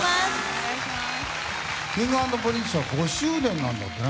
Ｋｉｎｇ＆Ｐｒｉｎｃｅは５周年なんだね。